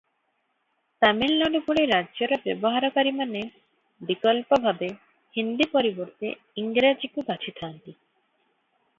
ତାମିଲନାଡ଼ୁ ଭଳି ରାଜ୍ୟର ବ୍ୟବହାରକାରୀମାନେ ବିକଳ୍ପ ଭାବେ ହିନ୍ଦୀ ପରିବର୍ତ୍ତେ ଇଂରାଜୀକୁ ବାଛିଥାନ୍ତି ।